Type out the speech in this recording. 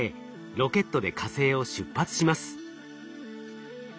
ロケットで火星を出発します。